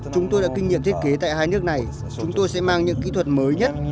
chúng tôi đã kinh nghiệm thiết kế tại hai nước này chúng tôi sẽ mang những kỹ thuật mới nhất